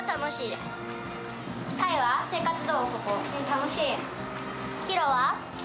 楽しい！